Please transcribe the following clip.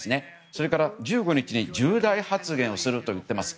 それから１５日に重大発言をすると言っています。